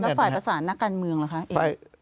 แล้วฝ่ายภาษานักการเมืองเหรอคะ